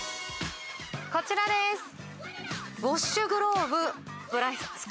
こちらです！